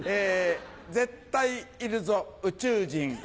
絶対いるぞ宇宙人。